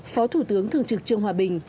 phó thủ tướng thường trực trương hoa bình